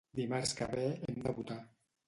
Dimarts que ve hem de votar.